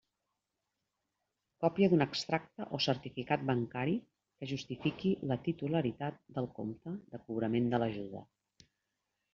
Còpia d'un extracte o certificat bancari que justifique la titularitat del compte de cobrament de l'ajuda.